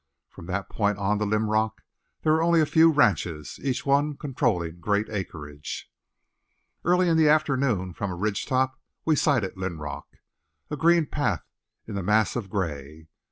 From that point on to Linrock there were only a few ranches, each one controlling great acreage. Early in the afternoon from a ridgetop we sighted Linrock, a green path in the mass of gray.